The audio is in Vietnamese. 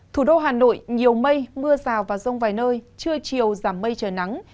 thủ đô hà nội nhiều mây mưa rào và rông vài nơi trưa chiều giảm mây trời nắng